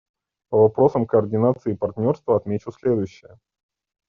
По вопросам координации и партнерства отмечу следующее.